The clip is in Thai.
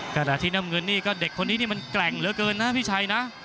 ขณะที่น้ำเงินนี่ก็เด็กคนนี้นี่มันแกร่งเหลือเกินนะพี่ชัยนะ